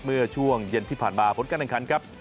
เมื่อช่วงเย็นที่ผ่านมาผลการแข่งขันครับ